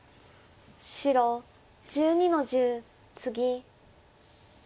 白１２の十ツギ。